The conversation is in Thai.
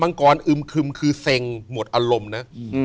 งกรอึมคึมคือเซ็งหมดอารมณ์นะ